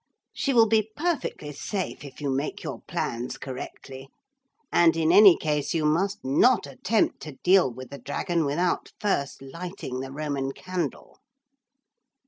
She will be perfectly safe if you make your plans correctly. And in any case you must not attempt to deal with the dragon without first lighting the Roman candle.'